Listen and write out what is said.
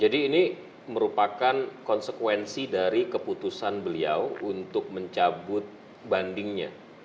jadi ini merupakan konsekuensi dari keputusan beliau untuk mencabut bandingnya